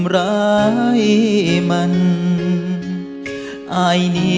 รักน้อยอย่าง